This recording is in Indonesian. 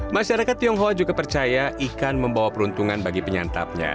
masyarakat tionghoa juga percaya ikan membawa keberuntungan bagi penyantap